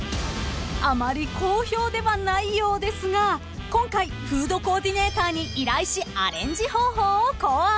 ［あまり好評ではないようですが今回フードコーディネーターに依頼しアレンジ方法を考案］